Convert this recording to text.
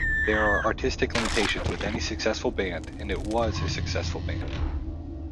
There are artistic limitations with any successful band, and it "was" a successful band.